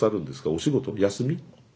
お仕事休み？